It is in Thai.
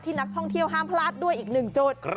นักท่องเที่ยวห้ามพลาดด้วยอีกหนึ่งจุด